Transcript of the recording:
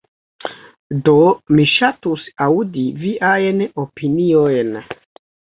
Do mi ŝatus aŭdi viajn opiniojn.